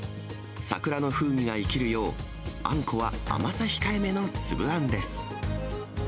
桜の風味が生きるよう、あんこは甘さ控えめの粒あんです。